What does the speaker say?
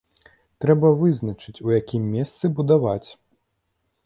Трэба вызначыць, у якім месцы будаваць.